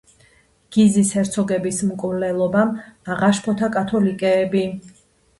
გიზის ჰერცოგების მკვლელობამ აღაშფოთა კათოლიკეები.